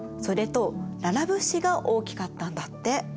それとララ物資が大きかったんだって。